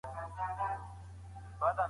د حال د قرينو په اساس د هغه تصديق کيږي.